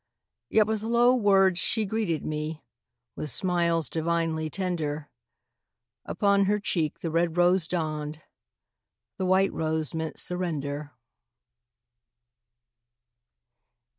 Yet with low words she greeted me, With smiles divinely tender; Upon her cheek the red rose dawned, The white rose meant surrender.